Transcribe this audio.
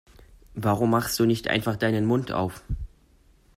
Warum machst du nicht einfach deinen Mund auf?